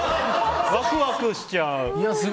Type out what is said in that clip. ワクワクしちゃう。